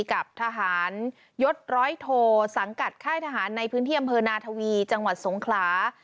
กับทหารยศร้อยโทสังกัดค่ายทหารในพื้นที่อำเภอนาทวีจังหวัดสงขลา